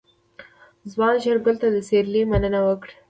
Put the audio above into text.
ځوان شېرګل ته د سيرلي مننه وکړه.